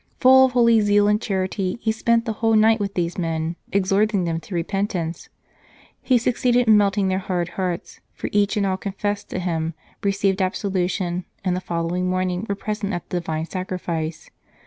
Full of holy zeal and charity, he spent the whole night with these men, exhorting them to repentance. He succeeded in melting their hard hearts, for each and all confessed to him, received absolution, and the following morning were present at the Divine Sacrifice.